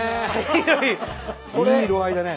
いい色合いだね。